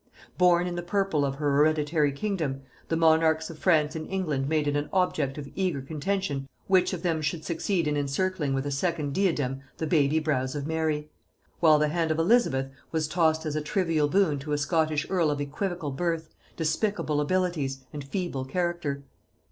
Born in the purple of her hereditary kingdom, the monarchs of France and England made it an object of eager contention which of them should succeed in encircling with a second diadem the baby brows of Mary; while the hand of Elizabeth was tossed as a trivial boon to a Scottish earl of equivocal birth, despicable abilities, and feeble character.